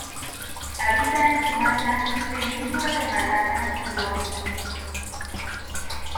Habita en Sumatra, Península de Malaca y Borneo.